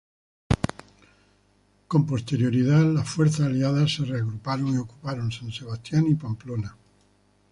Con posterioridad, las fuerzas aliadas se reagruparon y ocuparon San Sebastián y Pamplona.